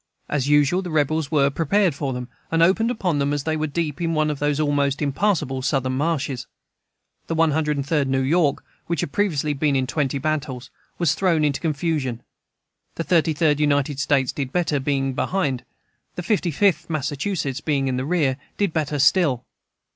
As usual the rebels were prepared for them, and opened upon them as they were deep in one of those almost impassable Southern marshes. The One Hundred and Third New York, which had previously been in twenty battles, was thrown into confusion; the Thirty Third United States did better, being behind; the Fifty Fifth Massachusetts being in the rear, did better still.